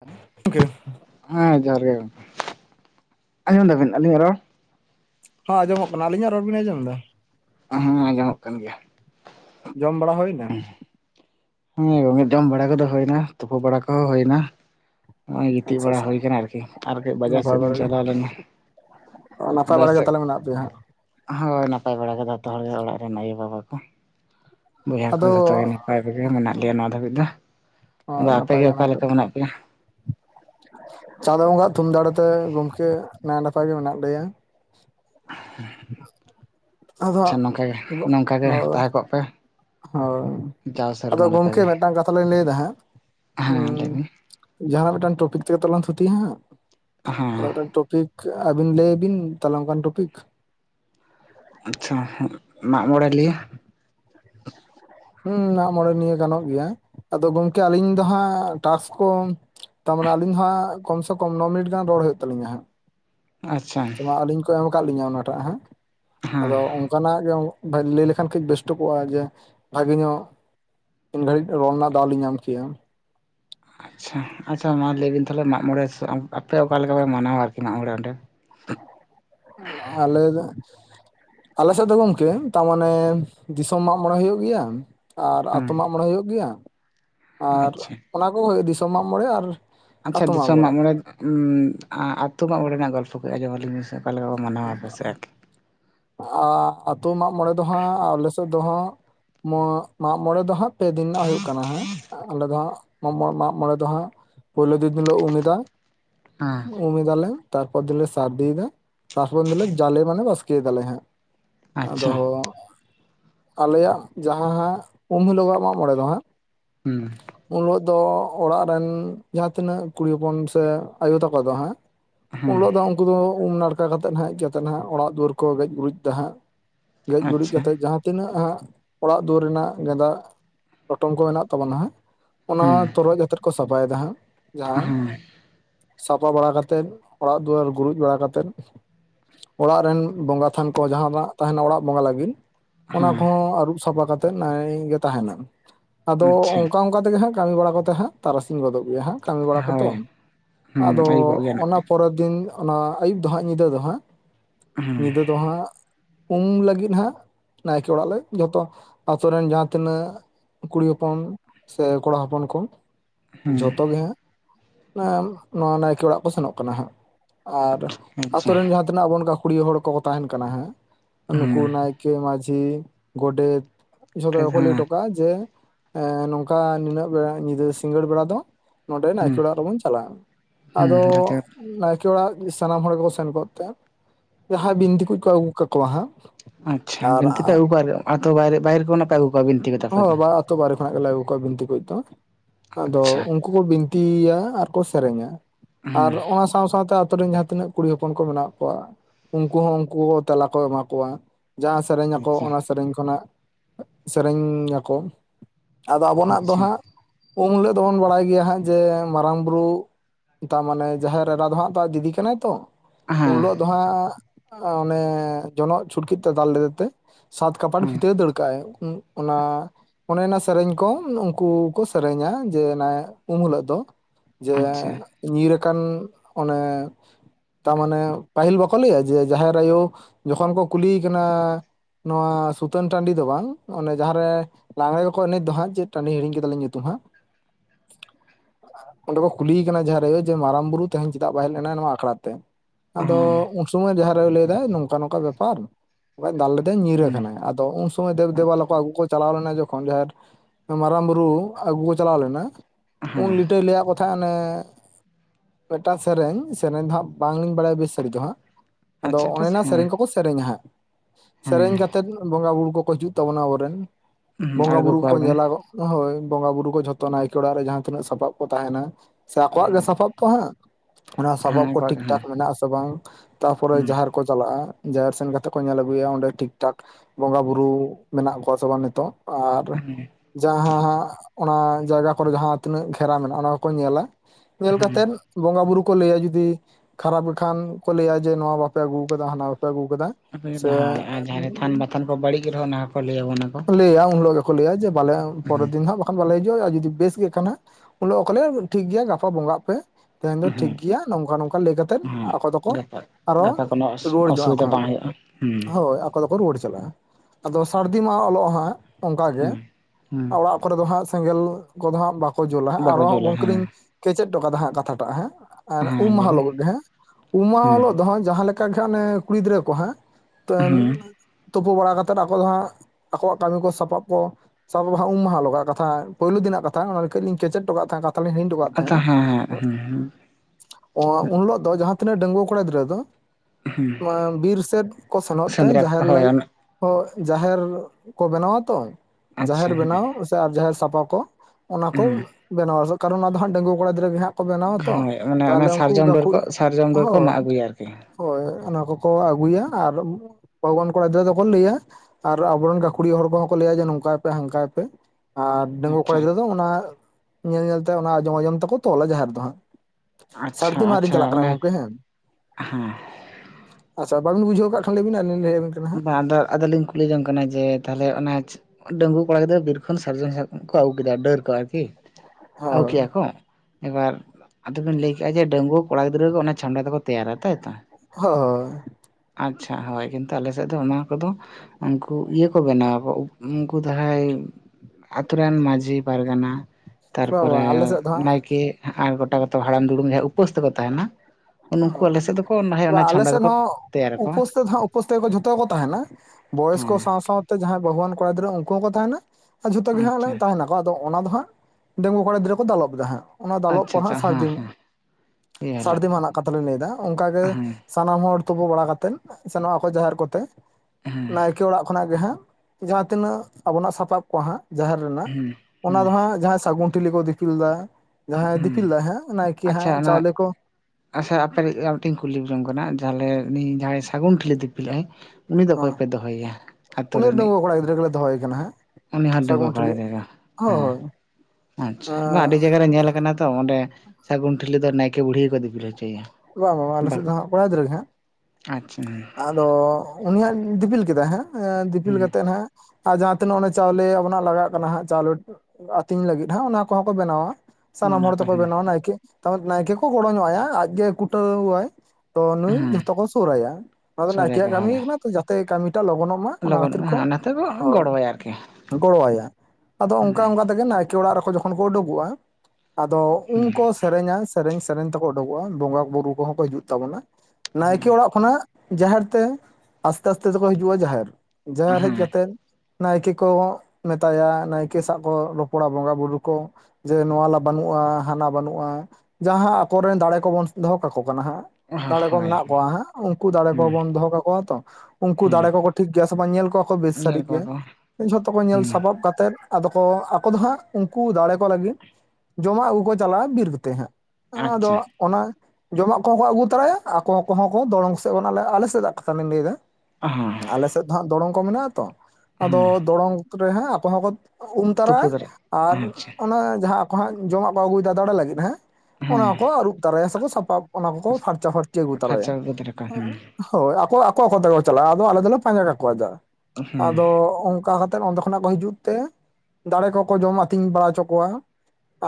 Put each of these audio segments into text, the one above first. [unintelligible] ᱦᱮᱸ ᱡᱚᱦᱟᱨ ᱜᱮ ᱜᱚ ᱟᱡᱚᱢ ᱫᱟᱵᱤᱱ ᱟᱞᱤᱧᱟᱜ ᱨᱚᱲ? ᱦᱚᱸ ᱡᱚᱢᱚᱜ ᱠᱟᱱᱟ, ᱟᱹᱞᱤᱧᱟᱜ ᱨᱚᱲ ᱵᱤᱱ ᱟᱸᱡᱚᱢ ᱮᱫᱟ? ᱦᱚᱸ ᱟᱸᱡᱚᱢᱚᱜ ᱠᱟᱱ ᱜᱮᱭᱟ᱾ ᱡᱚᱢ ᱵᱟᱲᱟ ᱦᱳᱭ ᱮᱱᱟ? ᱦᱮᱸ ᱡᱚᱢ ᱵᱟᱲᱟ ᱠᱚᱫᱚ ᱦᱳᱭ ᱮᱱᱟ, ᱛᱳᱯᱳ ᱵᱟᱲᱟ ᱠᱚᱦᱚᱸ ᱦᱳᱭ ᱮᱱᱟ᱾ ᱱᱚᱜ-ᱚᱭ ᱜᱤᱛᱤᱡ ᱟᱪᱪᱷᱟ ᱵᱟᱲᱟ ᱟᱪᱪᱷᱟ ᱦᱳᱭ ᱟᱠᱟᱱᱟ ᱟᱨᱠᱤ, ᱟᱨ ᱠᱟᱹᱡ ᱵᱟᱡᱟᱨ ᱱᱟᱯᱟᱭ ᱥᱮᱫ ᱵᱟᱲᱟ ᱤᱧ ᱜᱮ ᱪᱟᱞᱟᱣ ᱞᱮᱱᱟ᱾ ᱱᱟᱯᱟᱭ ᱵᱟᱡᱟᱨ ᱵᱟᱲᱟ ᱜᱮ ᱥᱮᱫ ᱛᱟᱦᱞᱮ ᱢᱮᱱᱟᱜ ᱯᱮᱭᱟ ᱦᱟᱸᱜ? ᱦᱳᱭ ᱱᱟᱯᱟᱭ ᱵᱟᱲᱟ ᱜᱮ ᱡᱚᱛᱚ ᱦᱚᱲ ᱜᱮ ᱚᱲᱟᱜ ᱨᱮᱱ ᱟᱭᱳ ᱵᱟᱵᱟ ᱠᱚ ᱵᱚᱭᱦᱟ ᱠᱚ ᱟᱫᱚ ᱡᱷᱚᱛᱚ ᱜᱮ ᱱᱟᱯᱟᱭ ᱛᱮᱜᱮ ᱢᱮᱱᱟᱜ ᱞᱮᱭᱟ ᱱᱚᱣᱟ ᱫᱷᱟᱹᱵᱤᱡ ᱫᱚ, ᱟᱫᱚ ᱦᱳᱭ ᱱᱟᱯᱟᱭ ᱟᱯᱮᱜᱮ ᱜᱮ ᱚᱠᱟᱮ ᱱᱟᱯᱟᱭ ᱞᱮᱠᱟ ᱢᱮᱱᱟᱜ ᱯᱮᱭᱟ? [unintelligible] ᱪᱟᱸᱫᱳ ᱵᱚᱸᱜᱟᱣᱟᱜ ᱛᱷᱩᱢ ᱫᱟᱲᱮᱛᱮ ᱜᱚᱢᱠᱮ ᱱᱟᱭ ᱱᱟᱯᱟᱭ ᱜᱮ ᱢᱮᱱᱟᱜ ᱞᱮᱭᱟ᱾ [unintelligible] ᱟᱫᱚ ᱟᱪᱪᱷᱟ ᱱᱚᱝᱠᱟ ᱜᱮ ᱱᱚᱝᱠᱟ ᱜᱮ [unintelligible] ᱛᱟᱦᱮᱸ ᱠᱚᱜ ᱯᱮ ᱦᱳᱭ, ᱡᱟᱣ ᱟᱫᱚ ᱥᱮᱨᱢᱟ ᱜᱚᱢᱠᱮ ᱞᱮᱠᱟᱜᱮ ᱢᱮᱫᱴᱟᱱ ᱠᱟᱛᱷᱟ ᱞᱮᱧ ᱞᱟᱹᱭᱮᱫᱟ ᱦᱟᱸᱜ ᱦᱮᱸ ᱞᱟᱹᱭ ᱵᱤᱱ ᱡᱟᱦᱟᱸᱱᱟᱜ ᱢᱮᱫᱴᱟᱝ ᱴᱚᱯᱤᱠ ᱛᱮᱜᱮ ᱛᱚᱞᱟᱝ ᱛᱷᱩᱛᱤᱭᱟ ᱦᱟᱸᱜ, ᱟᱫᱚ ᱦᱮᱸ ᱢᱤᱫᱴᱟᱝ ᱴᱚᱯᱤ ᱴᱚᱯᱤᱠ ᱟᱹᱵᱤᱱ ᱞᱟᱹᱭᱟᱵᱤᱱ ᱛᱟᱦᱚᱞᱮ ᱚᱱᱠᱟᱱ ᱴᱚᱯᱤᱠ? ᱟᱪᱪᱷᱟ, ᱢᱟᱜ ᱢᱚᱬᱮ ᱞᱤᱭᱟᱹ ᱦᱩᱸ ᱢᱟᱜ-ᱢᱚᱬᱮ ᱱᱤᱭᱟᱹ ᱜᱟᱱᱚᱜ ᱜᱮᱭᱟ ᱟᱫᱚ ᱜᱚᱢᱠᱮ ᱟᱞᱤᱧ ᱫᱚ ᱦᱟᱸᱜ ᱴᱟᱥᱠ ᱠᱚ ᱛᱟᱨᱢᱟᱱᱮ ᱟᱹᱞᱤᱧ ᱫᱚ ᱦᱟᱸᱜ ᱠᱚᱢ ᱥᱮ ᱠᱚᱢ ᱱᱚ ᱢᱤᱱᱤᱴ ᱜᱟᱱ ᱨᱚᱲ ᱦᱩᱭᱩᱜ ᱛᱟᱞᱤᱧᱟ ᱦᱟᱸᱜ᱾ ᱟᱪᱪᱷᱟ ᱢᱟ ᱟᱹᱞᱤᱧ ᱠᱚ ᱮᱢ ᱠᱟᱜ ᱞᱤᱧᱟᱹ ᱚᱱᱟᱴᱟᱜ ᱦᱟᱸᱜ ᱦᱮᱸ ᱟᱫᱚ ᱚᱱᱠᱟᱱᱟᱜ ᱜᱮ ᱞᱟᱹᱭ ᱞᱮᱠᱷᱟᱱ ᱠᱟᱹᱡ ᱵᱮᱥᱴᱚ ᱠᱚᱜᱼᱟ ᱡᱮ ᱵᱷᱟᱜᱮ ᱧᱚᱜ ᱛᱤᱱ ᱜᱷᱟᱹᱲᱤᱡ ᱨᱚᱲ ᱨᱮᱱᱟᱜ ᱫᱟᱣ ᱞᱤᱧ ᱧᱟᱢ ᱠᱤᱭᱟ? ᱟᱪᱪᱷᱟ, ᱟᱪᱪᱷᱟ ᱢᱟ ᱞᱟᱹᱭᱵᱤᱱ ᱛᱟᱦᱞᱮ ᱢᱟᱜ ᱢᱚᱬᱮ ᱟᱯᱮ ᱚᱠᱟ ᱞᱮᱠᱟᱯᱮ ᱢᱟᱱᱟᱣᱟ ᱟᱨᱠᱤ ᱢᱟᱜ ᱢᱚᱬᱮ ᱚᱸᱰᱮ? ᱟᱞᱮ ᱫᱚ ᱟᱞᱮ ᱥᱮᱫ ᱫᱚ ᱜᱚᱢᱠᱮ ᱛᱟᱨᱢᱟᱱᱮ ᱫᱤᱥᱚᱢ ᱢᱟᱜ ᱢᱚᱬᱮ ᱦᱳᱭᱳᱜ ᱜᱮᱭᱟ ᱟᱨ ᱟᱛᱳ ᱦᱩᱸ ᱢᱟᱜ ᱢᱚᱬᱮ ᱦᱳᱭᱳᱜ ᱜᱮᱭᱟ ᱟᱨ ᱟᱪᱪᱷᱟ ᱚᱱᱟ ᱠᱚ ᱦᱳᱭᱳᱜ ᱫᱤᱥᱚᱢ ᱢᱟᱜ ᱢᱚᱬᱮ ᱟᱨ ᱟᱪᱪᱷᱟ ᱫᱤᱥᱚᱢ ᱢᱟᱜ ᱢᱚᱬᱮ, ᱟᱛᱳ ᱢᱟᱜ ᱢᱚᱬᱮ ᱨᱮᱱᱟᱜ ᱜᱚᱞᱯᱚ ᱠᱟᱹᱡ ᱟᱸᱡᱚᱢ ᱟᱞᱤᱧ ᱢᱮᱥᱮ? ᱞᱮᱠᱟ ᱠᱚ ᱢᱟᱱᱟᱣᱟ ᱟᱯᱮ ᱥᱮᱫ ᱟᱨᱠᱤ? [unintelligible] ᱟᱛᱳ ᱢᱟᱜ ᱢᱚᱬᱮ ᱫᱚ ᱦᱟᱸᱜ ᱟᱞᱮ ᱥᱮᱫ ᱫᱚ ᱦᱟᱸᱜ [unintelligible] ᱢᱟᱜ-ᱢᱚᱬᱮ‌ ᱫᱚ ᱦᱟᱸᱜ ᱯᱮ ᱫᱤᱱ ᱨᱮᱱᱟᱜ ᱦᱳᱭᱳᱜ ᱠᱟᱱᱟ ᱟᱞᱮ ᱫᱚ ᱦᱟᱸᱜ ᱢᱟᱜᱽ ᱢᱟᱜᱽ ᱢᱟᱜ-ᱢᱚᱬᱮ ᱫᱚ ᱦᱟᱸᱜ ᱯᱳᱭᱞᱳ ᱫᱤᱱ ᱦᱤᱞᱳᱜ ᱩᱢᱤᱫᱟ᱾ ᱩᱢᱮᱫᱟᱞᱮ ᱛᱟᱨᱯᱚᱨ ᱫᱮᱞᱮ ᱥᱟᱨᱫᱤᱭᱮᱫᱟ᱾ ᱛᱟᱨᱯᱚᱨᱮ ᱫᱤᱱ ᱦᱤᱞᱳᱜ ᱡᱟᱞᱮ ᱢᱟᱱᱮ ᱵᱟᱥᱠᱮ ᱫᱟᱞᱮ ᱦᱟᱸᱜ᱾ ᱦᱮᱸ ᱟᱫᱚ ᱟᱪᱪᱷᱟ ᱟᱞᱮᱭᱟᱜ ᱡᱟᱦᱟᱸ ᱦᱟᱸᱜ ᱩᱢ ᱦᱤᱞᱳᱜᱟᱜ ᱢᱟᱜ ᱢᱚᱬᱮ ᱫᱚ ᱦᱟᱸᱜ ᱦᱩᱸ, ᱩᱱᱦᱤᱞᱳᱜ ᱫᱚ ᱚᱲᱟᱜ ᱨᱮᱱ ᱡᱟᱦᱟᱸ ᱛᱤᱱᱟᱹᱜ ᱠᱩᱲᱤ ᱦᱚᱯᱚᱱ ᱥᱮ ᱟᱭᱳ ᱛᱟᱠᱚ ᱫᱚ ᱦᱟᱸᱜ ᱩᱱ ᱦᱩᱸ ᱦᱤᱞᱳᱜ ᱫᱚ ᱩᱝᱠᱩ ᱫᱚ ᱩᱢ ᱱᱟᱲᱠᱟ ᱠᱟᱛᱮᱫ ᱱᱟᱜ ᱦᱮᱡ ᱠᱟᱛᱮᱫ ᱱᱟᱸᱜ ᱚᱲᱟᱜ ᱫᱩᱣᱟᱹᱨ ᱠᱚ ᱜᱮᱡ ᱜᱩᱨᱤᱡ ᱫᱟ ᱦᱟᱜ ᱜᱮᱡ ᱜᱩᱨᱤᱡ ᱟᱪᱪᱷᱟ ᱠᱟᱛᱮ ᱡᱟᱦᱟᱸ ᱛᱤᱱᱟᱹᱜ ᱦᱟᱸᱜ ᱚᱲᱟᱜ ᱫᱩᱣᱟᱹᱨ ᱨᱮᱱᱟᱜ ᱜᱮᱸᱫᱟᱜ ᱯᱚᱴᱚᱢ ᱠᱚ ᱦᱮᱱᱟᱜ ᱛᱟᱵᱚᱱᱟ ᱦᱟᱸᱜ ᱚᱱᱟ ᱦᱩᱸ ᱛᱚᱨᱚᱡ ᱟᱛᱮᱫ ᱠᱚ ᱥᱟᱯᱷᱟᱭᱮᱫᱟ ᱦᱟᱸᱜ ᱡᱟᱦᱟᱸ ᱦᱩᱸ ᱥᱟᱯᱟ ᱵᱟᱲᱟ ᱠᱟᱛᱮᱫ ᱚᱲᱟᱜ ᱫᱩᱣᱟᱹᱨ ᱜᱩᱨᱩᱡ ᱵᱟᱲᱟ ᱠᱟᱛᱮᱫ, ᱚᱲᱟᱜ ᱨᱮᱱ ᱵᱚᱸᱜᱟ ᱛᱷᱟᱱ ᱠᱚ ᱡᱟᱦᱟᱸᱱᱟᱜ ᱛᱟᱦᱮᱱᱟ ᱚᱲᱟᱜ ᱵᱚᱸᱜᱟ ᱞᱟᱹᱜᱤᱫ ᱚᱱᱟ ᱦᱩᱸ ᱠᱚᱦᱚᱸ ᱟᱹᱨᱩᱵ ᱥᱟᱯᱷᱟ ᱠᱟᱛᱮᱜ ᱱᱟᱭ ᱜᱮ ᱛᱟᱦᱮᱱᱟ, ᱟᱫᱚ ᱟᱪᱪᱷᱟ ᱚᱱᱠᱟ ᱚᱱᱠᱟ ᱛᱮᱜᱮ ᱦᱟᱸᱜ ᱠᱟᱢᱤ ᱵᱟᱲᱟ ᱠᱚᱛᱮ ᱦᱟᱸᱜ ᱛᱟᱨᱟᱥᱤᱧ ᱜᱚᱫᱚᱜ ᱦᱟᱸᱜ ᱠᱟᱹᱢᱤ ᱵᱟᱲᱟ ᱠᱚᱛᱚ, ᱦᱳᱭ ᱦᱩᱸ ᱟᱫᱚ ᱟᱹᱭᱩᱵᱚᱜ ᱜᱮᱭᱟ ᱱᱟᱜ ᱚᱱᱟ ᱠᱷᱟᱡ ᱯᱚᱨᱮᱨ ᱫᱤᱱ ᱚᱱᱟ ᱟᱹᱭᱩᱵ ᱫᱚ ᱦᱟᱸᱜ ᱧᱤᱫᱟᱹ ᱫᱚ ᱦᱟᱸᱜ ᱦᱩᱸ ᱧᱤᱫᱟᱹ ᱫᱚ ᱦᱟᱸᱜ ᱩᱢ ᱞᱟᱹᱜᱤᱫ ᱦᱟᱸᱜ ᱱᱟᱭᱠᱮ ᱚᱲᱟᱜ ᱞᱮ ᱡᱚᱛᱚ ᱟᱛᱳᱨᱮᱱ ᱡᱟᱦᱟᱸ ᱛᱤᱱᱟᱹᱜ ᱠᱩᱲᱤ ᱦᱚᱯᱚᱱ ᱥᱮ ᱠᱚᱲᱟ ᱦᱚᱯᱚᱱ ᱠᱚ ᱡᱷᱚᱛᱚ ᱦᱩᱸ ᱜᱮ ᱦᱟᱸᱜ ᱚᱱᱮ ᱱᱚᱣᱟ ᱱᱟᱭᱠᱮ ᱚᱲᱟᱜ ᱠᱚ ᱥᱮᱱᱚᱜ ᱠᱟᱱᱟ ᱦᱟᱸᱜ, ᱟᱨ ᱟᱛᱩ ᱟᱪᱪᱷᱟ ᱨᱮᱱ ᱡᱟᱦᱟᱸ ᱛᱤᱱᱟᱹᱜ ᱟᱵᱚ ᱚᱱᱠᱟ ᱜᱟᱠᱷᱩᱲᱤᱭᱟᱹ ᱦᱚᱲ ᱠᱚᱠᱚ ᱛᱟᱦᱮᱱ ᱠᱟᱱᱟ ᱦᱟᱸᱜ ᱱᱩᱠᱩ ᱦᱩᱸ ᱱᱟᱭ ᱱᱟᱭᱠᱮ ᱢᱟᱹᱡᱷᱤ ᱜᱚᱰᱮᱛ ᱡᱷᱚᱛᱚ ᱜᱮᱠᱚ ᱞᱟᱹᱭ ᱴᱚᱠᱟᱜᱼᱟ ᱡᱮ ᱮ ᱱᱚᱝᱠᱟ ᱱᱤᱱᱟᱹᱜ ᱵᱮᱲᱟ ᱧᱤᱫᱟᱹ ᱥᱤᱸᱜᱟᱹᱲ ᱵᱮᱲᱟ ᱫᱚ ᱱᱚᱸᱰᱮ ᱱᱟᱭᱠᱮ ᱦᱩᱸ ᱚᱲᱟᱜ ᱨᱮᱵᱚᱱ ᱪᱟᱞᱟᱜᱼᱟ, ᱦᱩᱸ ᱟᱫᱚ ᱡᱚᱛᱚ ᱱᱟᱭᱠᱮ ᱚᱲᱟᱜ ᱥᱟᱱᱟᱢ ᱦᱚᱲ ᱜᱮᱵᱚ ᱥᱮᱴᱮᱨ ᱠᱚᱜ ᱛᱮ ᱡᱟᱦᱟᱸᱭ ᱵᱤᱱᱛᱤ ᱠᱩ ᱠᱚ ᱟᱹᱜᱩ ᱠᱟᱠᱚᱣᱟ ᱦᱟᱸᱜ ᱟᱪᱪᱷᱟ ᱟᱨ ᱟᱵᱤ [unintelligible] ᱦᱳ ᱵᱟ ᱟᱛᱳ ᱵᱟᱨᱦᱮ ᱠᱷᱚᱱᱟᱜ ᱜᱮᱞᱮ ᱟᱹᱜᱩ ᱠᱚᱣᱟ ᱵᱤᱱᱛᱤ ᱠᱩᱡ ᱫᱚ, ᱟᱫᱚ ᱟᱪᱪᱷᱟ ᱩᱱᱠᱩ ᱠᱚ ᱵᱤᱱᱼᱼ ᱛᱤᱻ ᱭᱟ ᱟᱨ ᱠᱚ ᱥᱮᱨᱮᱧᱟ ᱟᱨ ᱦᱩᱸ ᱚᱱᱟ ᱥᱟᱸᱣ ᱥᱟᱸᱣᱛᱮ ᱟᱛᱩᱨᱮᱱ ᱡᱟᱦᱟᱸᱼᱼ ᱛᱤᱱᱟᱹᱜ ᱠᱩᱲᱤ ᱦᱚᱯᱚᱱ ᱠᱚ ᱢᱮᱱᱟᱜ ᱠᱚᱣᱟ ᱩᱱᱠᱩ ᱦᱚᱸ ᱩᱱᱠᱩ ᱛᱮᱞᱟ ᱠᱚ ᱮᱢᱟ ᱠᱚᱣᱟ᱾ ᱡᱟᱼᱼ ᱥᱮᱨᱮᱧ ᱟᱠᱚ ᱟᱪᱪᱷᱟ ᱚᱱᱟ ᱥᱮᱨᱮᱧ ᱠᱷᱚᱱᱟᱜᱼᱼ ᱥᱮᱨᱮᱧᱻ ᱟᱠᱚ, ᱟᱫᱚ ᱟᱵᱚᱱᱟᱜ ᱫᱚ ᱟᱪᱪᱷᱟ ᱦᱟᱸᱜᱼᱼ ᱩᱢ ᱦᱤᱞᱳᱜ ᱫᱚᱵᱚᱱ ᱵᱟᱲᱟᱭ ᱜᱮᱭᱟ ᱦᱟᱸᱜ ᱡᱮ ᱢᱟᱨᱟᱝ ᱵᱩᱨᱩᱼᱼ ᱛᱟ ᱢᱟᱱᱮ ᱡᱟᱦᱮᱨ ᱮᱨᱟ ᱫᱚ ᱦᱟᱸᱜ ᱛᱚ ᱟᱡ ᱫᱤᱫᱤ ᱠᱟᱱᱟᱭ ᱛᱚ, ᱩᱱ ᱦᱮᱸ ᱦᱤᱞᱳᱜ ᱫᱚ ᱦᱟᱸᱜ ᱚᱱᱮ ᱡᱚᱱᱚᱜ ᱪᱷᱩᱴᱠᱤᱜ ᱛᱮ ᱫᱟᱞ ᱞᱮᱫᱮ ᱛᱮᱼᱼ ᱥᱟᱛ ᱠᱟᱯᱟᱴ ᱦᱮᱸ ᱵᱷᱤᱛᱟᱹᱨᱮ ᱫᱟᱹᱲ ᱠᱟᱜ-ᱟᱭ, ᱩᱱ ᱚᱱᱟᱼᱼ ᱚᱱᱮ ᱚᱱᱟ ᱥᱮᱨᱮᱧ ᱠᱚ ᱩᱱᱠᱩ ᱠᱚ ᱥᱮᱨᱮᱧᱟ ᱡᱮ ᱚᱱᱮ ᱩᱢ ᱦᱳᱞᱳᱜ ᱫᱚᱼᱼ ᱡᱮ ᱟᱪᱪᱷᱟ ᱧᱤᱨ ᱟᱠᱟᱱ ᱚᱱᱮᱼᱼ ᱛᱟᱢᱟᱱᱮ ᱯᱟᱹᱦᱤᱞ ᱵᱟᱠᱚ ᱞᱟᱹᱭᱟ ᱡᱮ ᱡᱟᱸᱦᱮᱨ ᱟᱭᱳ ᱡᱚᱠᱷᱚᱱ ᱠᱚ ᱠᱩᱞᱤᱭᱮ ᱠᱟᱱᱟᱼᱼ ᱱᱚᱣᱟ ᱥᱩᱛᱟᱹᱱ ᱴᱟᱺᱰᱤ ᱫᱚ ᱵᱟᱝ, ᱚᱱᱮ ᱡᱟᱦᱟᱸ ᱨᱮ ᱞᱟᱜᱽᱲᱮ ᱠᱚᱠᱚ ᱮᱱᱮᱡ ᱫᱚ ᱦᱟᱸᱜ ᱪᱮᱫ ᱴᱟᱺᱰᱤ ᱦᱤᱲᱤᱧ ᱠᱤᱫᱟᱞᱤᱧ ᱧᱩᱛᱩᱢ ᱦᱟᱸᱜ, ᱚᱸᱰᱮ ᱠᱚ ᱠᱩᱞᱤᱭᱮ ᱠᱟᱱᱟ ᱡᱟᱦᱮᱨ ᱟᱭᱳ ᱡᱮ ᱢᱟᱨᱟᱝ ᱵᱩᱨᱩ ᱛᱮᱦᱮᱧ ᱪᱮᱫᱟᱜ ᱵᱟᱭ ᱦᱮᱡ ᱞᱮᱱᱟ ᱱᱚᱣᱟ ᱟᱠᱷᱲᱟ ᱛᱮ? ᱟᱫᱚ ᱦᱮᱸ ᱩᱱ ᱥᱚᱢᱚᱭ ᱡᱟᱦᱟᱸᱨᱮᱭ‌ ᱞᱟᱹᱭ ᱫᱟᱭ ᱱᱚᱝᱠᱟ ᱱᱚᱝᱠᱟ ᱵᱮᱯᱟᱨ᱾ ᱱᱚᱝᱵᱟᱧ ᱫᱟᱞ ᱠᱮᱫᱮᱭᱟᱹᱧ ᱧᱤᱨ ᱦᱩᱸ ᱠᱟᱱᱟᱭ ᱟᱫᱚ ᱩᱱ ᱥᱚᱢᱚᱭ ᱫᱮᱵᱼᱫᱮᱵᱟᱞᱚᱠᱼᱼ ᱠᱚ ᱟᱹᱜᱩ ᱠᱚ ᱪᱟᱞᱟᱣ ᱞᱮᱱᱟ ᱡᱚᱠᱷᱚᱱ ᱡᱟᱦᱮᱨ ᱢᱟᱨᱟᱝ ᱵᱩᱨᱩ ᱟᱹᱜᱩ ᱠᱚ ᱪᱟᱞᱟᱣ ᱞᱮᱱᱟ, ᱩᱱ ᱦᱮᱸ ᱞᱤᱰᱟᱹᱭ ᱞᱮᱭᱟᱜ-ᱠᱚᱼᱼ ᱛᱷᱟᱜ ᱚᱱᱮ ᱢᱤᱫᱴᱟᱝ ᱥᱮᱨᱮᱧ ᱥᱮᱨᱮᱧ ᱫᱚ ᱦᱟᱸᱜ ᱵᱟᱝᱞᱤᱧ ᱵᱟᱲᱟᱭᱟ ᱵᱮᱥ ᱥᱟᱹᱲᱤᱡ ᱫᱚ ᱦᱟᱸᱜᱼᱼ ᱟᱫᱚ ᱟᱪᱪᱷᱟ ᱚᱱᱮ ᱴᱷᱤᱠ ᱚᱱᱟ ᱦᱮᱸ ᱥᱮᱨᱮᱧ ᱠᱚᱠᱚ ᱥᱮᱨᱮᱧᱟ ᱦᱟᱸᱜ, ᱥᱮᱨᱮᱧ ᱦᱮᱸ ᱠᱟᱛᱮᱫ ᱵᱚᱸᱜᱟ ᱵᱩᱨᱩ ᱠᱚᱠᱚ ᱦᱤᱡᱩᱜᱼᱼ ᱛᱟᱵᱚᱱᱟ ᱟᱵᱚᱨᱮᱱ ᱵᱚᱸᱜᱟ ᱟᱬᱜᱚ ᱵᱩᱨᱩ ᱠᱚᱠᱚ ᱠᱚᱣᱟᱵᱚᱱ ᱧᱮᱞᱟᱜᱚᱜᱼᱼ ᱦᱳᱭ ᱵᱚᱸᱜᱟ ᱵᱩᱨᱩ ᱠᱚ ᱡᱷᱚᱛᱚ ᱱᱟᱭᱠᱮ ᱚᱲᱟᱜ ᱨᱮ ᱡᱟᱦᱟᱸ ᱛᱤᱱᱟᱹᱜ ᱥᱟᱯᱟᱵ ᱠᱚ ᱛᱟᱦᱮᱸᱱᱟ ᱥᱮ ᱟᱠᱚᱣᱟᱜ ᱜᱮ ᱥᱟᱯᱟᱵ ᱛᱚ ᱦᱟᱸᱜ, ᱚᱱᱟ ᱦᱮᱸ ᱥᱟᱯᱟᱵ ᱠᱚ ᱚᱠᱚᱭ ᱦᱮᱸ ᱴᱷᱤᱠ-ᱴᱷᱟᱠ ᱢᱮᱱᱟᱜ-ᱟ ᱥᱮ ᱵᱟᱝ? ᱛᱟᱯᱚᱨᱮ ᱦᱩᱸ ᱡᱟᱦᱮᱨᱼᱼ ᱠᱚ ᱪᱟᱞᱟᱜ-ᱟ ᱡᱟᱦᱮᱨ ᱥᱮᱱ ᱠᱟᱛᱮᱜ ᱠᱚ ᱧᱮᱞ ᱟᱹᱜᱩᱭᱟ ᱚᱸᱰᱮ ᱴᱷᱤᱠ ᱴᱷᱟᱠ ᱵᱚᱸᱜᱟ ᱵᱩᱨᱩ ᱢᱮᱱᱟᱜ ᱠᱚᱼᱼ ᱠᱚᱣᱟ ᱥᱮ ᱵᱟᱝ ᱱᱤᱛᱚᱜ ᱟᱨᱼᱼ ᱡᱟᱦᱟᱸ ᱦᱟᱸᱜ ᱚᱱᱟ ᱡᱟᱭᱜᱟ ᱠᱚᱨᱮ ᱡᱟᱦᱟᱸ ᱛᱤᱱᱟᱹᱜ ᱜᱷᱮᱨᱟ ᱢᱮᱱᱟᱜ-ᱟ ᱚᱱᱟ ᱠᱚ-ᱠᱚ ᱧᱮᱞᱟ᱾ ᱧᱮᱞ ᱦᱩᱸ ᱠᱟᱛᱮᱫᱼᱼ ᱵᱚᱸᱜᱟ ᱵᱩᱨᱩ ᱠᱚ ᱞᱟᱹᱭᱟ ᱡᱩᱫᱤ ᱠᱷᱟᱨᱟᱯ ᱜᱮᱠᱷᱟᱱ ᱠᱚ ᱞᱟᱹᱭᱟ ᱡᱮ ᱱᱚᱣᱟ ᱵᱟᱯᱮ ᱟᱹᱜᱩ ᱠᱟᱫᱟ ᱦᱟᱱᱟ ᱵᱟᱯᱮ ᱟᱹᱜᱩ ᱠᱟᱫᱟ᱾ ᱦᱳᱭ ᱥᱮ ᱡᱟᱦᱟᱸᱭ ᱛᱷᱟᱱ ᱵᱟᱛᱷᱟᱱ ᱠᱚ ᱵᱟᱹᱲᱤᱡ ᱜᱮ ᱨᱮᱦᱚᱸ ᱚᱱᱟ ᱦᱚᱸᱠᱚ ᱞᱟᱹᱭ ᱟᱵᱚᱱᱟ᱾ ᱠᱟ ᱞᱟᱹᱭᱟ ᱩᱱ ᱦᱤᱞᱳᱜ ᱜᱮᱠᱚ ᱞᱟᱹᱭᱟ ᱡᱮ ᱵᱟᱞᱮ ᱯᱚᱨᱮᱨ ᱦᱩᱸ ᱫᱤᱱ ᱦᱟᱸᱜᱼᱼ ᱠᱟᱱ ᱵᱟᱞᱮ ᱦᱤᱡᱩᱜ-ᱟ ᱟᱨ ᱡᱩᱫᱤ ᱵᱮᱥ ᱜᱮᱠᱟᱱᱟ ᱦᱟᱸᱜ ᱩᱱ ᱦᱤᱞᱳᱜ ᱠᱷᱚ ᱞᱟᱹᱭᱟ ᱴᱷᱤᱠ ᱜᱮᱭᱟ ᱜᱟᱯᱟ ᱵᱚᱸᱜᱟᱜ ᱯᱮ, ᱛᱮᱦᱮᱧ ᱫᱚ ᱴᱷᱤᱠ ᱜᱮᱭᱟ ᱱᱚᱝᱠᱟ ᱱᱚᱝᱠᱟ ᱞᱟᱹᱭ ᱠᱟᱛᱮᱫ ᱦᱩᱸ ᱟᱨ ᱠᱚᱫᱚ ᱠᱚ ᱜᱟᱯᱟ ᱟᱨᱚ ᱜᱟᱯᱟ ᱠᱳᱱᱳ ᱚᱥ- ᱨᱩᱣᱟᱹᱲ ᱡᱚᱝᱟᱜ ᱟᱠᱚ ᱚᱥᱩᱵᱤᱫᱟ ᱦᱟᱸᱜ᱾ ᱵᱟᱝ ᱦᱩᱭᱩᱜᱼᱟ ᱦᱩᱸ ᱦᱳᱭ ᱟᱠᱼᱼ ᱚᱠᱟ ᱫᱚᱠᱚ ᱨᱩᱣᱟᱹᱲ ᱪᱟᱞᱟᱜ-ᱟ ᱟᱫᱚ ᱥᱟᱹᱨᱫᱤ ᱢᱟᱦᱟᱸ ᱚᱞᱚᱜ ᱦᱟᱸᱜ ᱚᱱᱠᱟᱜ ᱜᱮ ᱦᱩᱸ ᱦᱩᱸ ᱚᱲᱟᱜ ᱠᱚᱨᱮ ᱫᱚᱦᱟᱸᱜᱼᱼ ᱥᱮᱸᱜᱮᱞ ᱠᱚᱫᱚ ᱦᱟᱸᱜ ᱵᱟᱠᱚ ᱡᱳᱞᱟ ᱵᱟᱠᱚ ᱟᱨᱦᱚ ᱦᱟᱸᱜ ᱡᱩᱞᱟ ᱜᱚᱢᱠᱮ ᱦᱮᱸ ᱞᱤᱧ ᱠᱮᱪᱮᱫ ᱴᱚᱠᱟᱫᱟ ᱦᱟᱸᱜ ᱠᱟᱛᱷᱟᱴᱟᱜ ᱦᱮᱜ, ᱦᱮᱸ ᱩᱢ ᱞᱟᱹᱭ ᱢᱟᱦᱟ ᱵᱤᱱ [unintelligible] ᱜᱮ ᱦᱟᱸᱜ ᱩᱢ ᱢᱟᱦᱟ ᱦᱤᱞᱳᱜ ᱦᱩᱸ ᱫᱚ ᱦᱟᱸᱜ ᱡᱟᱦᱟᱸ ᱞᱮᱠᱟ ᱜᱮ ᱦᱟᱸᱜ ᱚᱱᱮ ᱠᱩᱲᱤ ᱜᱤᱫᱽᱨᱟᱹ ᱠᱚ ᱦᱟᱸᱜᱼᱼ ᱛᱮᱱ ᱦᱩᱸ ᱛᱩᱯᱩ ᱵᱟᱲᱟ ᱠᱟᱛᱮᱫ ᱟᱠᱚ ᱫᱚ ᱦᱟᱸᱜ ᱟᱠᱚᱣᱟᱜ ᱠᱟᱹᱢᱤ ᱠᱚ ᱥᱟᱯᱟᱵ ᱠᱚᱼᱼ ᱥᱟᱵᱟᱦᱟ ᱩᱢ ᱢᱟᱦᱟ ᱦᱤᱞᱟᱹᱜᱟᱜ ᱠᱟᱛᱷᱟ ᱯᱟᱹᱭᱞᱟᱹ ᱫᱤᱱᱟᱜ ᱠᱟᱛᱷᱟ ᱚᱱᱟ ᱠᱟᱹᱡ ᱞᱤᱧ ᱠᱮᱪᱮᱫ ᱴᱚ ᱠᱟᱜ ᱛᱟᱦᱮᱸᱫ ᱠᱟᱛᱷᱟ ᱞᱤᱧ ᱦᱤᱲᱤᱧᱼᱼ ᱴᱚ ᱠᱟᱜ ᱟᱫᱚ ᱛᱟᱦᱮᱸᱜ-ᱟ ᱦᱮᱸ ᱦᱮᱸ ᱦᱮᱸ ᱩᱱ ᱦᱤᱞᱳᱜ ᱫᱚ ᱡᱟᱦᱟᱸ ᱛᱤᱱᱟᱹᱜ ᱰᱟᱺᱜᱩᱣᱟᱹ ᱠᱚᱲᱟ ᱜᱤᱫᱽᱨᱟᱹ ᱫᱚᱼᱼ ᱱᱚᱣᱟ ᱵᱤᱨ ᱥᱮᱫ ᱠᱚ ᱥᱮᱱᱚᱜ ᱛᱮ ᱥᱮᱸᱫᱽᱨᱟ ᱡᱟᱦᱮᱨ ᱦᱳᱭ ᱞᱟᱹᱜᱤᱫ ᱚᱱᱟ ᱦᱳᱸᱼᱼ ᱡᱟᱦᱮᱨ ᱠᱚ ᱵᱮᱱᱟᱣᱟ ᱛᱚ ᱟᱪᱪᱷᱟ ᱡᱟᱦᱮᱨ ᱵᱮᱱᱟᱣ, ᱥᱮ ᱡᱟᱦᱮᱨ ᱥᱟᱯᱷᱟ ᱠᱚᱼᱼ ᱚᱱᱟ ᱠᱚ ᱦᱩᱸ ᱵᱮᱱᱟᱣᱟ ᱠᱟᱨᱚᱱ ᱟᱫᱚ ᱦᱟᱸᱜ ᱰᱟᱸᱜᱩᱣᱟᱹ ᱠᱚᱲᱟ ᱜᱤᱫᱽᱨᱟᱹ ᱜᱮ ᱦᱟᱸᱜᱼᱼ ᱠᱚ ᱵᱮᱱᱟᱣᱟ ᱛᱚ ᱦᱳᱭ ᱢᱟᱱᱮ ᱚᱱᱟ ᱛᱟᱞᱦᱮ ᱩᱱᱠᱩ ᱥᱟᱨᱡᱚᱢ ᱰᱟᱹᱨ ᱜᱟᱹᱠᱷᱩᱲ ᱠᱚ ᱥᱟᱨᱡᱚᱢ ᱰᱟᱹᱨ ᱠᱚ ᱢᱟᱜ ᱦᱳᱭᱼᱼ ᱟᱹᱜᱩᱭᱟ ᱟᱨᱠᱤ ᱦᱳᱭ ᱚᱱᱟ ᱠᱚᱠᱚ ᱟᱹᱜᱩᱭᱟ ᱟᱨ ᱵᱟᱹᱦᱩᱣᱟᱱ ᱠᱚᱲᱟ ᱜᱤᱫᱽᱨᱟᱹ ᱫᱚᱠᱚ ᱞᱟᱹᱭᱟ ᱟᱨ ᱟᱵᱚᱨᱮᱱ ᱜᱟᱹᱠᱷᱩᱲᱤᱭᱟᱹ ᱦᱚᱲ ᱠᱚᱦᱚᱸ ᱠᱚ ᱞᱟᱹᱭᱟ ᱡᱮ ᱱᱚᱝᱠᱟᱭᱯᱮ ᱦᱟᱱᱠᱟᱭᱯᱮ ᱟᱨ ᱰᱟᱺᱜᱩᱣᱟᱹ ᱠᱚᱲᱟ ᱟᱪᱪᱷᱟ ᱜᱤᱫᱽᱨᱟᱹ ᱫᱚ ᱚᱱᱟ ᱧᱮᱞ ᱧᱮᱞ ᱛᱮ ᱚᱱᱟ ᱟᱸᱡᱚᱢ ᱟᱸᱡᱚᱢ ᱛᱮᱠᱚ ᱛᱚᱞᱟ ᱡᱟᱦᱮᱨ ᱫᱚ ᱦᱟᱸᱜ ᱟᱪᱪᱷᱟ ᱥᱟᱨᱫᱤ ᱢᱟᱦᱟ ᱨᱤᱧ ᱪᱟᱞᱟᱜ ᱟᱪᱪᱷᱟ ᱠᱟᱱᱟ ᱚᱱᱮ ᱜᱚᱢᱠᱮ ᱦᱮᱸ ᱦᱮᱸ ᱟᱪᱪᱷᱟ ᱵᱟᱵᱤᱱ ᱵᱩᱡᱷᱟᱹᱣ ᱠᱟᱜ ᱠᱷᱟᱱ ᱞᱮᱭ ᱵᱤᱱ ᱟᱞᱤᱧ ᱞᱤᱧ ᱞᱮᱭ ᱟᱵᱤᱱ ᱠᱟᱱᱟ ᱦᱟᱸᱜ ᱵᱟᱝ ᱟᱫᱚ ᱟᱫᱚᱞᱤᱧ ᱠᱩᱞᱤ ᱡᱚᱝ ᱠᱟᱱᱟ ᱡᱮ ᱛᱟᱦᱚᱞᱮ ᱚᱱᱟ ᱰᱟᱺᱜᱩᱣᱟᱹ ᱠᱚᱲᱟ ᱜᱤᱫᱽᱨᱟᱹ ᱵᱤᱨ ᱠᱷᱚᱱ ᱥᱟᱨᱡᱚᱢ ᱥᱟᱠᱟᱢ ᱠᱚ ᱟᱹᱜᱩ ᱠᱮᱫᱟ ᱰᱟᱹᱨ ᱠᱚ ᱟᱨᱠᱤ ᱟᱹᱜᱩ ᱦᱳᱭ ᱠᱮᱜ ᱟᱠᱚ ᱮᱵᱟᱨ ᱟᱫᱚᱵᱤᱱ ᱞᱟᱹᱭ ᱠᱮᱜᱼᱟ ᱡᱮ ᱰᱟᱺᱜᱩᱣᱟᱹ ᱠᱚᱲᱟ ᱜᱤᱫᱽᱨᱟᱹ ᱠᱚ ᱚᱱᱟ ᱪᱷᱟᱢᱰᱟ ᱫᱚᱠᱚ ᱛᱮᱭᱟᱨᱟ ᱛᱟᱭᱛᱚ? ᱦᱳᱭ ᱦᱳᱭ ᱟᱪᱪᱷᱟ ᱦᱳᱭ ᱠᱤᱱᱛᱩ [unintelligible] ᱟᱞᱮ ᱥᱮᱫ ᱫᱚ ᱚᱱᱟ ᱠᱚᱫᱚ ᱩᱱᱠᱩ ᱤᱭᱟᱹ ᱠᱚ ᱵᱮᱱᱟᱣ ᱟᱠᱚ ᱩᱱᱠᱩ ᱡᱟᱦᱟᱸᱭ ᱟᱛᱩᱨ ᱨᱮᱱ ᱢᱟᱺᱡᱷᱤ ᱯᱟᱨᱜᱟᱱᱟ ᱵᱟᱝ ᱛᱟᱨᱯᱚᱨᱮ ᱵᱟᱝ ᱟᱞᱮ ᱥᱮᱫ ᱫᱚ ᱦᱟᱸᱜ ᱱᱟᱭᱠᱮ [unintelligible] ᱟᱨ ᱜᱚᱴᱟ ᱠᱚᱛᱮᱠ ᱦᱟᱲᱟᱢ ᱫᱩᱲᱩᱢ ᱡᱟᱦᱟᱸ ᱩᱯᱟᱹᱥ ᱛᱮᱠᱚ ᱛᱟᱦᱮᱱᱟ ᱩᱱ ᱩᱱᱠᱩ ᱟᱞᱮᱥᱮᱫ ᱫᱚᱠᱚ [unintelligible] ᱚᱱᱟ ᱪᱷᱟᱢᱰᱟ ᱫᱚᱠᱚ ᱛᱮᱭᱟᱨᱟ ᱯᱟᱹᱥ ᱛᱮᱜᱮ ᱡᱷᱚᱛᱚ ᱜᱮᱠᱚ ᱛᱟᱦᱮᱱᱟ ᱵᱚᱭᱚᱥ ᱠᱚ ᱦᱮᱸ ᱥᱟᱶ ᱥᱟᱶᱛᱮ ᱡᱟᱦᱟᱸᱭ ᱵᱟᱹᱦᱩᱣᱟᱱ ᱠᱚᱲᱟ ᱜᱤᱫᱽᱨᱟᱹ ᱩᱱᱠᱩ ᱦᱚᱸᱠᱚ ᱛᱟᱦᱮᱱᱟ ᱟᱨ ᱡᱷᱚᱛᱚ ᱜᱮ ᱦᱟᱸᱜ ᱟᱪᱪᱷᱟ ᱛᱟᱦᱮᱱᱟᱠᱚ ᱟᱫᱚ ᱚᱱᱟ ᱫᱚ ᱦᱟᱸᱜ ᱰᱟᱺᱜᱩᱣᱟᱹ ᱠᱚᱲᱟ ᱜᱤᱫᱽᱨᱟᱹ ᱠᱚ ᱫᱟᱞᱚᱵ ᱫᱟ ᱦᱟᱸᱜ ᱚᱱᱟ ᱫᱟᱞᱚᱵ ᱟᱪᱪᱷᱟ ᱯᱚᱨ ᱦᱟᱸᱜ ᱟᱪᱪᱷᱟ ᱦᱮᱸ ᱥᱟᱹᱨᱫᱤ, ᱦᱮᱸ ᱤᱭᱟᱹ ᱦᱤᱞᱳᱜ ᱥᱟᱹᱨᱫᱤ ᱢᱟ ᱱᱟᱜ ᱠᱟᱛᱷᱟ ᱞᱤᱧ ᱞᱟᱹᱭᱫᱟ ᱚᱱᱠᱟᱜᱮ ᱦᱮᱸ ᱥᱟᱱᱟᱢ ᱦᱚᱲ ᱛᱩᱯᱩ ᱵᱟᱲᱟ ᱠᱟᱛᱮᱫ, ᱥᱮᱱᱚᱜ ᱟᱠᱚ ᱡᱟᱦᱮᱨ ᱠᱚᱛᱮ ᱦᱮᱸ ᱱᱟᱭᱠᱮ ᱚᱲᱟᱜ ᱠᱷᱚᱱᱟᱜ ᱜᱮ ᱦᱟᱸᱜ ᱡᱟᱦᱟᱸ ᱛᱤᱱᱟᱹᱜ ᱟᱵᱚᱱᱟᱜ ᱥᱟᱯᱟᱵ ᱠᱚ ᱦᱟᱸᱜ ᱡᱟᱦᱮᱨ ᱨᱮᱱᱟᱜ, ᱦᱮᱸ ᱚᱱᱟ ᱦᱮᱸ ᱫᱚ ᱦᱟᱸᱜ ᱡᱟᱦᱟᱸᱭ ᱥᱟᱹᱜᱩᱱ ᱴᱷᱤᱞᱤ ᱠᱚ ᱫᱤᱯᱤᱞᱫᱟ ᱡᱟᱦᱟᱸᱭ ᱫᱤᱯᱤᱞ ᱦᱮᱸ ᱫᱟᱭ ᱦᱟᱸᱜ ᱱᱟᱭᱠᱮ ᱟᱪᱪᱷᱟ ᱦᱟᱸᱜ ᱚᱱᱟ ᱪᱟᱣᱞᱮ ᱠᱚ ᱟᱪᱪᱷᱟ ᱟᱯᱮ ᱟᱨ ᱢᱤᱫᱴᱮᱱ [unintelligible] ᱠᱩᱞᱤ ᱡᱚᱝ ᱠᱟᱱᱟ ᱡᱟᱦᱟᱸᱞᱮ ᱩᱱᱤ ᱡᱟᱦᱟᱸᱭ ᱥᱟᱹᱜᱩᱱ ᱴᱷᱤᱞᱤ ᱫᱤᱯᱤᱞ ᱟᱭ ᱩᱱᱤ ᱫᱚ ᱦᱚᱸ ᱚᱠᱚᱭ ᱯᱮ ᱫᱚᱦᱚᱭᱭᱟ ᱟᱛᱳ ᱩᱱᱟᱹᱜ ᱨᱤᱱᱤᱡ? ᱰᱟᱺᱜᱩᱣᱟᱹ ᱠᱚᱲᱟ ᱜᱤᱫᱽᱨᱟᱹ ᱜᱮᱞᱮ ᱫᱚᱦᱚᱭᱮ ᱠᱟᱱᱟ ᱦᱟᱸᱜ ᱩᱱᱤ ᱦᱚ ᱥᱟᱹᱜᱩᱱ ᱰᱟᱺᱜᱩᱣᱟᱹ ᱠᱚᱲᱟ ᱴᱷᱤᱞᱤ ᱜᱤᱫᱽᱨᱟᱹ ᱜᱮ ᱦᱚ ᱦᱳᱭ ᱟᱪᱪᱷᱟ ᱵᱟᱝ ᱦᱳᱭ ᱟᱹᱰᱤ ᱡᱟᱭᱜᱟ ᱨᱮ ᱧᱮᱞ ᱠᱟᱱᱟ ᱛᱚ ᱚᱸᱰᱮ ᱥᱟᱹᱜᱩᱱ ᱴᱷᱤᱞᱤ ᱫᱚ ᱱᱟᱭᱠᱮ ᱵᱩᱲᱦᱤ ᱜᱮ ᱫᱤᱯᱤᱞ ᱦᱚ ᱵᱟᱝ ᱵᱟᱝ ᱵᱟᱝ ᱟᱞᱮ ᱥᱮᱫ ᱫᱚ ᱦᱟᱸᱜ ᱠᱚᱲᱟ ᱜᱤᱫᱽᱨᱟᱹ ᱜᱮ ᱦᱟᱸᱜ, ᱟᱪᱪᱷᱟ ᱟ ᱟᱫᱚ ᱩᱱᱤᱭ ᱦᱟᱸᱜ ᱫᱤᱯᱤᱞ ᱠᱮᱫᱟᱭ ᱦᱟᱸᱜ ᱮᱸ ᱫᱤᱯᱤᱞ ᱦᱮᱸ ᱠᱟᱛᱮᱫ ᱦᱟᱸᱜ ᱟᱨ ᱡᱟᱦᱟᱸ ᱛᱤᱱᱟᱹᱜ ᱚᱱᱮ ᱪᱟᱣᱞᱮ ᱟᱵᱚᱱᱟᱜ ᱞᱟᱜᱟᱜ ᱠᱟᱱᱟ ᱦᱟᱸᱜ ᱪᱟᱣᱞᱮ ᱟᱛᱤᱧ ᱞᱟᱹᱜᱤᱫ ᱦᱟᱸᱜ ᱚᱱᱟ ᱠᱚᱦᱚᱸ ᱠᱚ ᱵᱮᱱᱟᱣᱟ ᱥᱟᱱᱟᱢ ᱵᱮᱱᱟ ᱦᱚᱲ ᱛᱮ ᱠᱚ ᱦᱮᱸ ᱵᱮᱱᱟᱣᱟ ᱱᱟᱭᱠᱮ ᱛᱟᱯᱚᱨᱮ ᱱᱟᱭᱠᱮ ᱠᱚ ᱜᱚᱲᱚ ᱧᱚᱜᱼᱟᱭᱟ ᱟᱡᱜᱮ ᱠᱩᱴᱟᱹᱣᱟᱭ ᱛᱚ ᱱᱩᱭ ᱦᱮᱸ ᱡᱷᱚᱛᱚ ᱠᱚ ᱥᱩᱨ ᱟᱭᱟ, ᱚᱱᱟ ᱫᱚ ᱱᱟᱭᱠᱮᱭᱟᱜ ᱥᱚᱲᱮᱭᱟᱠᱚ ᱠᱟᱢᱤ ᱦᱮᱸ ᱜᱮ ᱠᱟᱱᱟ ᱛᱚ ᱡᱟᱛᱮ ᱠᱟᱢᱤᱴᱟᱜ ᱞᱚᱜᱚᱱᱚᱜ ᱢᱟ ᱚᱱᱟ ᱞᱚᱜᱚᱱ ᱠᱷᱟᱛᱤᱨ ᱦᱮᱸ ᱠᱚ ᱚᱱᱟᱛᱮ ᱦᱳᱭ ᱜᱚᱲᱚᱣᱟᱭᱟ ᱟᱨᱠᱤ ᱜᱚᱲᱚᱣᱟᱭᱟ ᱟᱫᱚ ᱚᱱᱠᱟ ᱚᱱᱠᱟ ᱛᱮ ᱜᱮ ᱱᱟᱭ ᱠᱮ ᱚᱲᱟᱜ ᱨᱮ ᱠᱚ ᱡᱚᱠᱷᱚᱱ ᱠᱚ ᱳᱰᱳᱠᱚᱜᱼᱟ ᱟᱫᱚ ᱩᱱ ᱠᱚ ᱥᱮᱨᱮᱧᱟ ᱥᱮᱨᱮᱧ ᱥᱮᱨᱮᱧ ᱛᱮ ᱠᱚ ᱳᱰᱳᱠᱚᱜᱼᱟ ᱵᱚᱸᱜᱟ ᱵᱩᱨᱩ ᱠᱚᱦᱚᱸ ᱠᱚ ᱦᱤᱡᱩᱜ ᱛᱟᱵᱚᱱᱟ, ᱱᱟᱭᱠᱮ ᱚᱲᱟᱜ ᱠᱷᱚᱱᱟᱜ ᱡᱟᱦᱮᱨ ᱛᱮ ᱟᱥᱛᱮ ᱟᱥᱛᱮ ᱛᱮ ᱠᱚ ᱦᱤᱡᱩᱜᱼᱟ ᱡᱟᱦᱮᱨ ᱡᱟᱦᱮᱨ ᱦᱮᱡ ᱦᱮᱸ ᱠᱟᱛᱮᱫ ᱱᱟᱭᱠᱮ ᱠᱚ ᱢᱮᱛᱟᱭᱟ ᱱᱟᱭᱠᱮ ᱥᱟᱣ ᱠᱚ ᱨᱚᱯᱚᱲᱟ ᱵᱚᱸᱜᱟ ᱵᱩᱨᱩ ᱠᱚ ᱡᱮ ᱱᱚᱣᱟᱞᱟ ᱵᱟᱱᱩᱜᱼᱟ, ᱦᱟᱱᱟ ᱵᱟᱱᱩᱜᱼᱟ, ᱡᱟᱦᱟᱸ ᱟᱠᱚᱨᱮᱱ ᱫᱟᱲᱮ ᱠᱚ ᱵᱚᱱ ᱫᱚᱦᱚ ᱠᱟᱠᱚ ᱠᱟᱱᱟ ᱦᱟᱸᱜ ᱫᱟᱲᱮ ᱠᱚ ᱦᱳᱭ ᱢᱮᱱᱟᱜ ᱠᱚᱣᱟ ᱦᱟᱸᱜ ᱩᱱᱠᱩ ᱫᱟᱲᱮ ᱠᱚ ᱦᱩᱸ ᱵᱚᱱ ᱫᱚᱦᱚ ᱠᱟᱠᱚᱣᱟ ᱛᱚ ᱩᱱᱠᱩ ᱫᱟᱲᱮ ᱦᱩᱸ ᱠᱚ ᱠᱚ ᱴᱷᱤᱠ ᱜᱮᱭᱟ ᱥᱮ ᱵᱟᱝ ᱧᱮᱞ ᱠᱚᱣᱟ ᱠᱚ ᱵᱮᱥ ᱥᱟᱹᱨᱤ ᱧᱮᱞ ᱠᱚᱣᱟ ᱜᱮ, ᱠᱚ ᱡᱷᱚᱛᱚ ᱠᱚ ᱧᱮᱞ ᱦᱩᱸ ᱥᱟᱯᱟᱵ ᱠᱟᱛᱮᱜ ᱟᱫᱚ ᱠᱚ ᱟᱠᱚ ᱫᱚ ᱦᱟᱸᱜ ᱩᱱᱠᱩ ᱫᱟᱲᱮ ᱠᱚ ᱞᱟᱜᱤᱫ ᱡᱚᱢᱟᱜ ᱟᱹᱜᱩ ᱠᱚ ᱪᱟᱞᱟᱜᱼᱟ ᱵᱤᱨ ᱛᱮ ᱦᱟᱸᱜ ᱟᱪᱪᱷᱟ ᱟᱫᱚ ᱚᱱᱟ ᱡᱚᱢᱟᱜ ᱠᱚ ᱦᱚ ᱠᱚ ᱟᱜᱩ ᱛᱚᱨᱟᱭᱟ ᱟᱠᱚ ᱠᱚ ᱦᱚ ᱠᱚ ᱫᱚᱲᱚᱝ ᱥᱮᱫ ᱚᱱᱟ ᱞᱮ ᱟᱞᱮ ᱥᱮᱫᱟᱜ ᱠᱟᱛᱷᱟ ᱞᱤᱧ ᱞᱟᱹᱭᱫᱟ ᱦᱚᱸ ᱟᱞᱮ ᱥᱮᱫ ᱫᱚ ᱦᱟᱸᱜ ᱫᱚᱲᱚᱝ ᱠᱚ ᱢᱮᱱᱟᱜᱼᱟ ᱛᱚ ᱟᱫᱚ ᱦᱮᱸ ᱫᱚᱲᱚᱝ ᱨᱮ ᱦᱟᱸᱜ ᱟᱠᱚ ᱦᱚ ᱠᱚ ᱩᱢ ᱛᱟᱨᱟᱟᱭ ᱛᱩᱯᱩ ᱫᱟᱲᱮᱜ ᱟᱨ ᱟᱪᱪᱷᱟ ᱚᱱᱟ ᱡᱟᱦᱟ ᱟᱠᱚ ᱦᱟᱜ ᱡᱚᱢᱟᱜ ᱠᱚ ᱟᱜᱩᱭᱫᱟ ᱫᱟᱲᱮ ᱞᱟᱜᱤᱫ ᱦᱟᱸᱜ ᱚᱱᱟ ᱦᱮᱸ ᱦᱚᱠᱚ ᱟᱹᱨᱩᱵ ᱛᱟᱨᱟᱭᱟ ᱥᱮᱠᱚ ᱥᱟᱯᱟᱵ ᱚᱱᱟ ᱠᱚ ᱫᱚ ᱯᱷᱟᱨᱪᱟᱼ ᱯᱷᱷᱟᱨᱪᱤ ᱟᱹᱜᱩ ᱛᱟᱨᱟᱭᱟ ᱯᱷᱟᱨᱪᱟ ᱜᱤᱫᱽᱨᱟᱹ ᱠᱚ ᱦᱮᱸ ᱾ ᱦᱳᱭ ᱟᱠᱚ ᱟᱠᱚ ᱟᱠᱚ ᱛᱮ ᱠᱚ ᱪᱟᱞᱟᱜᱼᱟ ᱟᱫᱚ ᱟᱞᱮ ᱫᱚ ᱞᱮ ᱯᱟᱸᱡᱟ ᱠᱟᱠᱚᱣᱟ, ᱟᱫᱚ ᱚᱱᱠᱟ ᱛᱮ ᱚᱱᱛᱮ ᱠᱷᱚᱱᱟᱜ ᱠᱚ ᱦᱤᱡᱩᱜ ᱛᱮ ᱫᱟᱲᱮ ᱠᱚ ᱠᱚ ᱡᱚᱢ ᱟᱛᱤᱧ ᱵᱟᱲᱟ ᱦᱚᱪᱚ ᱠᱚᱣᱟ᱾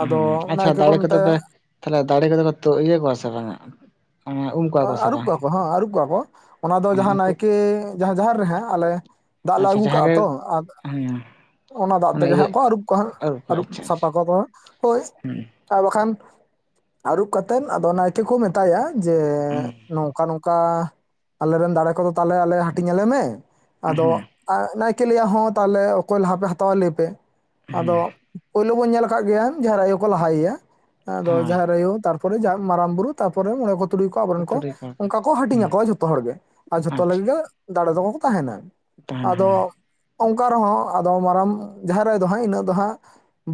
ᱟᱫᱚ ᱟᱪᱪᱷᱟ ᱱᱟᱭᱠᱮ ᱠᱚ ᱫᱟᱲᱮ ᱠᱚᱫᱚ ᱢᱮᱛᱟᱭᱟ ᱯᱮ ᱛᱟᱦᱚᱞᱮ ᱫᱟᱲᱮ ᱠᱚᱫᱚ ᱠᱚ ᱛᱚᱜ ᱤᱭᱟᱹ ᱠᱚᱣᱟ ᱥᱮ ᱵᱟᱝᱼᱟ, ᱦᱮᱸ ᱩᱢ ᱠᱚᱣᱟ ᱟᱹᱨᱩᱵ ᱠᱚᱣᱟ ᱠᱚ ᱦᱚ ᱟᱹᱨᱩᱵ ᱠᱚᱣᱟ ᱠᱚ ᱚᱱᱟ ᱫᱚ ᱡᱟᱦᱟ ᱩᱱᱠᱩ ᱱᱟᱭᱠᱮ ᱡᱟᱦᱟ ᱡᱟᱦᱮᱨ ᱨᱮᱦᱟᱜ ᱟᱞᱮ ᱫᱟᱜ ᱞᱮ ᱟᱪᱪᱷᱟ ᱟᱜᱩ ᱡᱟᱦᱟᱸ ᱠᱟᱜᱼᱟ ᱨᱮ ᱛᱚ, ᱦᱮᱸ, ᱚᱱᱟ ᱫᱟᱜ ᱛᱮᱜᱮ ᱦᱟᱸᱜ ᱠᱚ ᱟᱨᱩᱵ ᱠᱚᱣᱟ ᱦᱟᱜ ᱟᱹᱨᱩ ᱠᱚ ᱟᱨᱩᱵ ᱟᱪᱪᱷᱟ ᱥᱟᱯᱷᱟ ᱟᱪᱪᱷᱟ ᱠᱚᱣᱟ ᱠᱚ ᱦᱳᱭ᱾ ᱟᱨ ᱵᱟᱠᱷᱟᱱ ᱟᱨᱩᱵ ᱠᱟᱛᱮᱫ ᱟᱫᱚ ᱱᱟᱭᱠᱮ ᱠᱚ ᱢᱮᱛᱟᱭᱟ ᱡᱮ ᱱᱚᱝ ᱱᱚᱝᱠᱟ ᱱᱚᱝᱠᱟ ᱟᱞᱮᱨᱮᱱ ᱫᱟᱲᱮ ᱠᱚ ᱫᱚ ᱛᱟᱦᱚᱞᱮ ᱟᱞᱮ ᱦᱟᱴᱤᱧᱟᱞᱮ ᱢᱮ, ᱦᱮᱸ ᱟᱫᱚ ᱟᱼᱜ ᱱᱟᱭᱠᱮ ᱞᱟᱹᱭᱟ ᱦᱚᱸ ᱛᱟᱦᱮ ᱚᱠᱚᱭ ᱞᱟᱦᱟ ᱯᱮ ᱦᱟᱛᱟᱣᱟ ᱞᱟᱹᱭ ᱯᱮ, ᱦᱮᱸ ᱟᱫᱚ ᱯᱳᱭᱞᱳ ᱵᱚᱱ ᱧᱮᱞ ᱟᱠᱟᱫ ᱜᱮᱭᱟ ᱡᱟᱦᱮᱨ ᱟᱭᱳ ᱠᱚ ᱞᱟᱦᱟᱭᱮᱭᱟ ᱟᱫᱚ ᱦᱳᱭ ᱡᱟᱦᱮᱨ ᱟᱭᱳ ᱛᱟᱨ ᱯᱚᱨᱮ ᱡᱟᱠ ᱢᱟᱨᱟᱢ ᱵᱩᱨᱩ ᱛᱟᱯᱚᱨᱮ ᱢᱚᱲᱮ ᱠᱚ ᱛᱩᱲᱩᱭ ᱠᱚ ᱟᱵᱚᱨᱮᱱ ᱠᱚ ᱛᱩᱨᱩᱭ ᱠᱚᱣᱟ ᱚᱱᱠᱟ ᱠᱚ ᱦᱟᱴᱤᱧ ᱦᱮᱸ ᱟᱠᱚᱣᱟ ᱡᱷᱚᱛᱚ ᱦᱚᱲ ᱜᱮ ᱟᱨ ᱡᱷᱚᱛᱚ ᱟᱪᱪᱷᱟ ᱞᱟᱜᱤᱫ ᱜᱮ ᱫᱟᱲᱮ ᱫᱚ ᱠᱚᱠᱚ ᱛᱟᱦᱮᱱᱟ᱾ ᱛᱟᱦᱮᱱ ᱟᱫᱚ ᱦᱚᱸ ᱚᱱᱠᱟ ᱨᱮ ᱦᱚᱸ ᱟᱫᱚ ᱢᱟᱨᱟᱝ ᱡᱟᱦᱮᱨ ᱟᱭᱳ ᱫᱚ ᱦᱟᱸᱜ ᱤᱱᱟᱹᱜ ᱫᱚ ᱦᱟᱸᱜ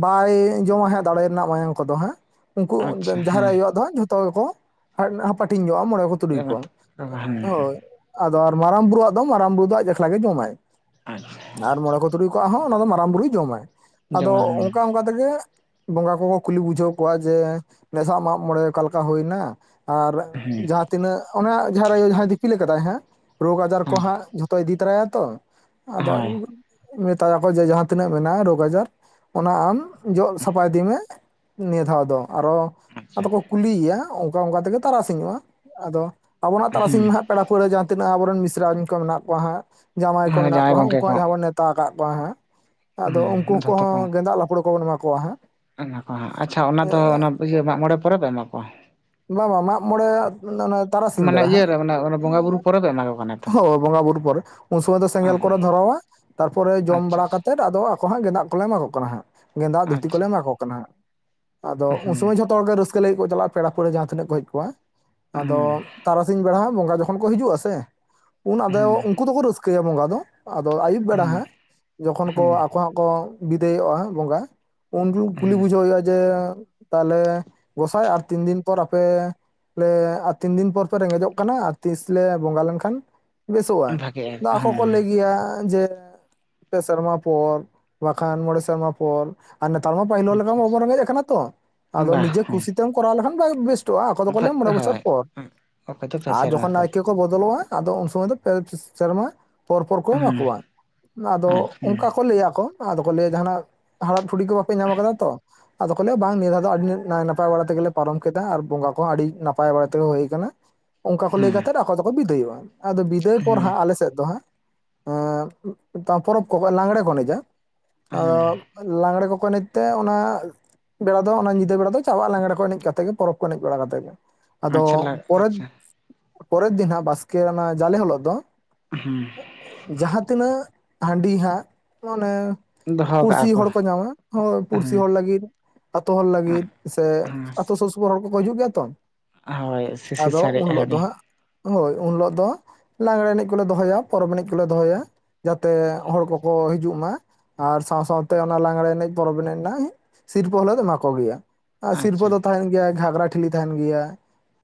ᱵᱟᱭ ᱡᱚᱢᱟ ᱦᱟᱸᱜ ᱫᱟᱲᱮ ᱨᱮᱱᱟᱜ ᱢᱟᱭᱟᱝ ᱠᱚ ᱫᱚ ᱦᱟᱸᱜ, ᱩᱱᱠᱩ ᱟᱪᱪᱷᱟ ᱡᱟᱦᱮᱨ ᱦᱮᱸ ᱟᱭᱳᱣᱟᱜ ᱫᱚ ᱦᱟᱸᱜ ᱡᱷᱚᱛᱚ ᱜᱮ ᱠᱚ ᱦᱟᱯᱟᱴᱤᱧᱚᱜᱼᱟ ᱢᱚᱬᱮ ᱠᱚ ᱛᱩᱲᱩᱭ ᱠᱚ, ᱦᱳᱭ ᱟᱫᱚ ᱢᱟᱨᱟᱝ ᱵᱩᱨᱩᱣᱟᱜ ᱫᱚ ᱢᱟᱨᱟᱝ ᱵᱩᱨᱩ ᱫᱚ ᱟᱡ ᱮᱠᱞᱟ ᱜᱮ ᱡᱚᱢᱟᱭ, ᱟᱪᱪᱷᱟ ᱟᱨ ᱢᱚᱬᱮ ᱠᱚ ᱛᱩᱨᱩᱭ ᱠᱚᱣᱟᱜ ᱦᱚᱸ ᱚᱱᱟ ᱫᱚ ᱢᱟᱨᱟᱝ ᱵᱩᱨᱩᱭ ᱡᱚᱢᱟᱭ, ᱟᱫᱚ ᱡᱮᱢᱚᱱ ᱚᱱᱠᱟ ᱚᱱᱠᱟ ᱛᱮᱜᱮ ᱵᱚᱸᱜᱟ ᱠᱚᱠᱚ ᱠᱩᱞᱤ ᱵᱩᱡᱷᱟᱹᱣ ᱠᱚᱣᱟ ᱡᱮ ᱱᱮᱥᱟᱜ ᱢᱟᱜ ᱢᱚᱬᱮ ᱚᱠᱟ ᱞᱮᱠᱟ ᱦᱩᱭᱱᱟ? ᱟᱨ ᱦᱮᱸ ᱡᱟᱦᱟᱸ ᱛᱤᱱᱟᱹᱜ ᱚᱱᱟ ᱡᱟᱦᱮᱨ ᱟᱭᱳ ᱡᱟᱦᱟᱸᱭ ᱫᱤᱯᱤᱞ ᱠᱟᱫᱟᱭ ᱦᱟᱜ ᱨᱳᱜᱽ ᱟᱡᱟᱨ ᱦᱮᱸ ᱠᱚ ᱦᱟᱸᱜ ᱡᱷᱚᱛᱚᱭ ᱤᱫᱤ ᱛᱚᱨᱟᱭᱟ ᱛᱚ, ᱟᱫᱚ ᱦᱳᱭ ᱢᱮᱛᱟᱭᱟᱠᱚ ᱡᱮ ᱡᱟᱦᱟᱸ ᱛᱤᱱᱟᱹᱜ ᱢᱮᱱᱟᱜᱼᱟ ᱨᱳᱜᱽ ᱟᱡᱟᱨ ᱚᱱᱟ ᱟᱢ ᱡᱚᱜ ᱥᱟᱯᱟ ᱤᱫᱤ ᱢᱮ, ᱱᱤᱭᱟᱹ ᱫᱷᱟᱣ ᱫᱚ ᱟᱨᱚ ᱟᱪᱪᱷᱟ ᱟᱫᱚ ᱠᱚ ᱠᱩᱞᱤᱭᱮᱭᱟ ᱚᱱᱠᱟ ᱚᱱᱠᱟ ᱛᱮ ᱜᱮ ᱛᱟᱨᱟᱥᱤᱧᱚᱜᱼᱟ, ᱟᱫᱚ ᱟᱵᱚᱱᱟᱜ ᱛᱟᱨᱟᱥᱤᱧ ᱢᱟ ᱦᱮᱸ ᱦᱟᱸᱜ ᱯᱮᱲᱟ ᱯᱟᱹᱲᱦᱟᱹ ᱡᱟᱦᱟᱸ ᱛᱤᱱᱟᱹᱜ ᱟᱵᱚᱨᱮᱱ ᱢᱤᱥᱨᱟᱧ ᱠᱚ ᱢᱮᱱᱟᱜ ᱠᱚᱣᱟ ᱦᱟᱸᱜ, ᱡᱟᱸᱣᱭᱟᱭ ᱠᱚ ᱢᱮᱱᱟᱜ ᱡᱟᱶᱟᱭ ᱠᱚᱣᱟ ᱦᱟᱸᱜ ᱜᱚᱝᱠᱮ ᱩᱱᱠᱩᱣᱟᱜ ᱠᱚ ᱡᱟᱦᱟᱸ ᱵᱚᱱ ᱱᱮᱣᱛᱟ ᱟᱠᱟᱫ ᱠᱚᱣᱟ ᱦᱟᱜ, ᱟᱫᱚ ᱩᱱᱠᱩ ᱦᱩᱸ ᱠᱚ ᱫᱷᱚᱛᱚ ᱦᱚᱸ ᱜᱮᱸᱫᱟᱜ ᱞᱟᱯᱲᱚ ᱠᱚᱵᱚᱱ ᱮᱢᱟ ᱠᱚᱣᱟ ᱦᱟᱸᱜ᱾ ᱮᱢᱟ ᱠᱚᱣᱟ ᱦᱟᱸᱜ ᱟᱪᱪᱷᱟ ᱚᱱᱟ ᱫᱚ ᱚᱱᱟ ᱤᱭᱟᱹ ᱢᱟᱜ ᱢᱚᱬᱮ ᱯᱚᱨᱮ ᱯᱮ ᱮᱢᱟ ᱠᱚᱣᱟ? ᱵᱟᱝ ᱵᱟᱝ ᱢᱟᱜ-ᱢᱚᱬᱮ ᱢᱟᱱᱮ ᱤᱭᱟᱹ ᱨᱮ ᱚᱱᱟ ᱵᱚᱸᱜᱟ ᱵᱩᱨᱩ ᱯᱚᱨᱮ ᱯᱮ ᱮᱢᱟ ᱠᱚ ᱠᱟᱱᱟ ᱛᱚ ᱦᱳ ᱵᱚᱸᱜᱟ ᱵᱩᱨᱩ ᱯᱚᱨᱮ ᱩᱱ ᱥᱚᱢᱚᱭ ᱫᱚ ᱥᱮᱸᱜᱮᱞ ᱠᱚ ᱟᱪᱪᱷᱟ ᱨᱮ ᱫᱷᱚᱨᱟᱣᱟ᱾ ᱛᱟᱨᱯᱚᱨᱮ ᱡᱚᱢ ᱵᱟᱲᱟ ᱟᱪᱪᱷᱟ ᱠᱟᱛᱮᱫ ᱟᱫᱚ ᱟᱠᱚ ᱦᱟᱸᱜ ᱜᱮᱸᱫᱟᱜ ᱠᱚ ᱞᱮ ᱮᱢᱟ ᱠᱚ ᱠᱟᱱᱟ ᱦᱟᱸᱜ᱾ ᱜᱮᱸᱫᱟ ᱫᱷᱩᱛᱤ ᱟᱪᱪᱷᱟ ᱠᱚᱞᱮ ᱮᱢᱟ ᱠᱚ ᱠᱟᱱᱟ᱾ ᱟᱫᱚ ᱩᱱ ᱦᱩᱸ ᱥᱚᱢᱚᱭ ᱡᱷᱚᱛᱚ ᱦᱚᱲ ᱜᱮ ᱨᱟᱹᱥᱠᱟᱹ ᱞᱟᱹᱜᱤᱫ ᱠᱚ ᱪᱟᱞᱟᱜᱼᱟ ᱯᱮᱲᱟ ᱯᱦᱟᱹᱭᱲᱟ ᱡᱟᱦᱟᱸ ᱛᱤᱱᱟᱹᱜ ᱠᱚ ᱦᱮᱡ ᱠᱚᱜᱼᱟ᱾ ᱟᱫᱚ ᱦᱩᱸ ᱛᱟᱨᱟᱥᱤᱧ ᱵᱮᱲᱟ ᱦᱟᱜ ᱵᱚᱸᱜᱟ ᱡᱚᱠᱷᱚᱱ ᱠᱚ ᱦᱤᱡᱩᱜᱼᱟ ᱥᱮ ᱩᱱ ᱦᱩᱸ ᱟᱫᱚ ᱩᱱᱠᱩ ᱫᱚᱠᱚ, ᱨᱟᱹᱥᱠᱟᱹᱭᱟ ᱵᱚᱸᱜᱟ ᱫᱚ, ᱟᱫᱚ ᱟᱹᱭᱩᱵ ᱵᱮᱲᱟ ᱦᱩᱸ ᱦᱟᱸᱜ ᱡᱚᱠᱷᱚᱱ ᱠᱚ ᱦᱩᱸ ᱟᱠᱚ ᱟᱠᱚ ᱵᱤᱫᱟᱹᱭᱚᱜᱼᱟ ᱵᱚᱸᱜᱟ, ᱩᱱ ᱡᱷᱚᱜ ᱠᱩᱞᱤ ᱵᱩᱡᱷᱟᱹᱣ ᱦᱩᱭᱩᱜᱼᱟ ᱡᱮ ᱛᱟᱦᱞᱮ ᱜᱚᱸᱥᱟᱭ ᱟᱨ ᱛᱤᱱ ᱫᱤᱱ ᱯᱚᱨ ᱟᱯᱮ ᱟᱨ ᱛᱤᱱ ᱫᱤᱱ ᱯᱚᱨ ᱯᱮ ᱨᱮᱸᱜᱮᱡᱚᱜ ᱠᱟᱱᱟ ᱛᱤᱥ ᱞᱮ ᱵᱚᱸᱜᱟ ᱞᱮᱱᱠᱷᱟᱱ ᱠᱷᱟᱱ ᱵᱮᱥᱚᱜᱼᱟ, ᱦᱩᱸ ᱵᱷᱟᱜᱮᱜᱼᱟ ᱟᱫᱚ ᱟᱠᱚ ᱠᱚ ᱦᱩᱸ ᱞᱟᱹᱭ ᱜᱮᱭᱟ ᱡᱮ ᱯᱮ ᱥᱮᱨᱢᱟ ᱯᱚᱨ ᱵᱟᱠᱷᱟᱱ ᱢᱚᱬᱮ ᱥᱮᱨᱢᱟ ᱯᱚᱨ᱾ ᱟᱨ ᱱᱮᱛᱟᱨ ᱢᱟ ᱯᱟᱹᱦᱤᱞ ᱦᱚᱲ ᱞᱮᱠᱟ ᱟᱪᱪᱷᱟ ᱢᱟ ᱵᱟᱵᱚ ᱟᱪᱪᱷᱟ ᱨᱮᱸᱜᱮᱡ ᱟᱠᱟᱱᱟ ᱛᱚ ᱟᱫᱚ ᱵᱟ ᱱᱤᱡᱮ ᱦᱮᱸ ᱠᱩᱥᱤᱛᱮᱢ ᱠᱚᱨᱟᱣ ᱞᱮᱠᱷᱟᱱ ᱵᱮᱥᱼᱼ ᱛᱚᱜᱼᱟ ᱫᱚᱠᱚ ᱞᱟᱹᱭᱟ ᱢᱚᱬᱮ ᱵᱚᱪᱷᱚᱨ ᱦᱳᱭ ᱯᱚᱨ ᱚᱠᱚᱭ ᱫᱚ ᱯᱮ ᱟᱨ ᱥᱮᱨᱢᱟ ᱡᱚᱠᱷᱚᱱ ᱟᱨ ᱯᱚᱨ ᱱᱟᱭᱠᱮᱼᱼ ᱠᱚ ᱵᱚᱫᱚᱞᱚᱜᱼᱟ ᱟᱫᱚ ᱩᱱ ᱥᱚᱢᱚᱭ ᱫᱚ ᱯᱮ ᱥᱮᱨᱢᱟᱼᱼ ᱯᱚᱨ ᱯᱚᱨ ᱠᱚ ᱮᱢᱟ ᱦᱩᱸ ᱠᱚᱣᱟ ᱟᱫᱚ ᱟᱪᱪᱷᱟ ᱚᱱᱠᱟ ᱠᱚ ᱞᱟᱹᱭᱟ ᱟᱠᱚ, ᱟᱫᱚ ᱠᱚ ᱞᱟᱹᱭᱟ ᱡᱟᱦᱱᱟᱜ ᱦᱟᱲᱟᱜ ᱴᱷᱩᱲᱤ ᱠᱚ ᱵᱟᱯᱮ ᱧᱟᱢ ᱟᱠᱟᱫᱟ ᱛᱚᱼᱼ ᱟᱫᱚ ᱠᱚ ᱞᱟᱹᱭᱟ ᱵᱟᱝ ᱱᱤᱭᱟᱹ ᱫᱷᱟ ᱫᱚ ᱟᱹᱰᱤ ᱱᱟᱭ ᱱᱟᱯᱟᱭ ᱵᱟᱲᱟ ᱛᱮᱜᱮ ᱞᱮ ᱯᱟᱨᱚᱢ ᱠᱮᱫᱟ ᱟᱨ ᱵᱚᱸᱜᱟ ᱠᱚᱦᱚᱸ ᱟᱹᱰᱤ ᱱᱟᱯᱟᱭ ᱵᱟᱲᱟ ᱛᱮᱜᱮ ᱦᱩᱭ ᱟᱠᱟᱱᱟ᱾ ᱚᱱᱠᱟ ᱠᱚ ᱞᱟᱹᱭ ᱦᱩᱸ ᱠᱟᱛᱮᱫ ᱟᱠᱚ ᱫᱚᱠᱚ ᱵᱤᱫᱟᱹᱭᱚᱜᱼᱟ ᱟᱫᱚ ᱵᱤᱫᱟᱹᱭ ᱯᱚᱨ ᱦᱩᱸ ᱦᱟᱸᱜ ᱟᱞᱮ ᱥᱮᱫ ᱫᱚ ᱦᱟᱸᱜᱼᱼ ᱯᱚᱨᱚᱵᱽ ᱠᱚᱠᱚ ᱞᱟᱜᱜᱽᱬᱮ ᱠᱚ ᱮᱱᱮᱡᱟ ᱦᱩᱸ ᱟᱫᱚ ᱞᱟᱜᱽᱲᱮ ᱠᱚᱠᱚ ᱮᱱᱮᱡᱼᱼ ᱛᱮ ᱚᱱᱟ ᱵᱮᱲᱟ ᱫᱚ ᱚᱱᱟ ᱧᱤᱫᱟᱹ ᱵᱮᱲᱟ ᱫᱚ ᱪᱟᱵᱟᱜᱼᱟ ᱞᱟᱜᱽᱲᱮ ᱠᱚ ᱮᱱᱮᱡ ᱠᱟᱛᱮᱜ ᱜᱮ ᱯᱚᱨᱚᱵᱽ ᱠᱚ ᱮᱱᱮᱡ ᱵᱟᱲᱟ ᱠᱟᱛᱮ ᱜᱮ᱾ ᱟᱫᱚ ᱟᱪᱪᱷᱟ ᱞᱟ ᱯᱚᱨᱮᱨ ᱟᱪᱪᱷᱟ ᱯᱚᱨᱮᱨ ᱫᱤᱱ ᱦᱟᱜ ᱵᱟᱥᱠᱮ ᱚᱱᱟ ᱡᱟᱞᱮ ᱦᱤᱞᱳᱜ ᱫᱚᱼᱼ ᱦᱩᱸᱻ ᱡᱟᱦᱟᱸ ᱛᱤᱱᱟᱹᱜ ᱦᱟᱺᱰᱤ ᱦᱟᱜ ᱢᱟᱱᱮᱼᱼ ᱫᱚᱦᱚ ᱠᱟᱜᱼᱟ ᱯᱩᱲᱥᱤ ᱦᱚᱲ ᱠᱚ ᱧᱟᱢᱟ ᱦᱳ ᱯᱩᱲᱥᱤ ᱦᱮᱸ ᱦᱚᱲ ᱞᱟᱹᱜᱤᱫᱼᱼ ᱟᱛᱳ ᱦᱚᱲ ᱞᱟᱹᱜᱤᱫ ᱥᱮ ᱟᱹᱛᱩ ᱥᱩᱨ ᱥᱩᱯᱩᱨ ᱦᱚᱲ ᱠᱚᱠᱚ ᱦᱤᱡᱩᱜ ᱜᱮᱭᱟ ᱛᱚ᱾ ᱦᱳᱭ ᱥᱤᱥᱤᱨ ᱟᱫᱚ ᱩᱱ ᱥᱟᱨᱮᱡ ᱦᱤᱞᱳᱜ ᱫᱚ ᱦᱟᱺᱰᱤ᱾ ᱦᱟᱸᱜ ᱦᱳᱭ ᱩᱱ ᱦᱤᱞᱳᱜ ᱫᱚ ᱞᱟᱜᱽᱬᱮ ᱮᱱᱮᱡ ᱠᱚᱞᱮ ᱫᱚᱦᱚᱭᱟ ᱯᱚᱨᱚᱵᱽ ᱮᱱᱮᱡ ᱠᱚᱞᱮ ᱫᱚᱦᱚᱭᱟ᱾ ᱡᱟᱛᱮ ᱦᱚᱲ ᱠᱚᱠᱚ ᱦᱤᱡᱩᱜ ᱢᱟ ᱟᱨ᱾ ᱥᱟᱶ ᱥᱟᱶᱛᱮ ᱚᱱᱟ ᱞᱟᱜᱽᱲᱮ ᱮᱱᱮᱡ ᱯᱚᱨᱚᱵᱽ ᱮᱱᱮᱡ ᱨᱮᱱᱟᱝ ᱥᱤᱨᱯᱟᱹ ᱦᱚᱸᱞᱮ ᱮᱢᱟ ᱠᱚ ᱜᱮᱭᱟ᱾ ᱟᱨ ᱥᱤᱨᱯᱟᱹ ᱟᱪᱪᱷᱟ ᱫᱚ ᱛᱟᱦᱮᱱ ᱜᱮᱭᱟ ᱜᱷᱟᱜᱽᱨᱟ ᱴᱷᱤᱞᱤ ᱛᱟᱦᱮᱱ ᱜᱮᱭᱟ᱾